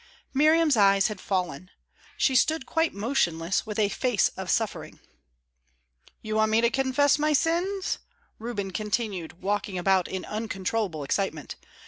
Miriam's eyes had fallen. She stood quite motionless, with a face of suffering. "You want me to confess my sins?" Reuben continued, walking about in uncontrollable excitement.